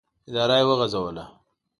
اداره یې وغځوله.